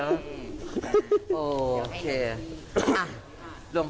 งง